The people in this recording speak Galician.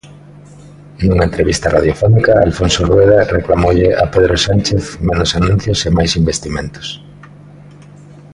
Nunha entrevista radiofónica Alfonso Rueda reclamoulle a Pedro Sánchez menos anuncios e máis investimentos.